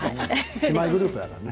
姉妹グループだからね。